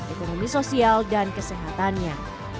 ekonomi sosial dan kesehatannya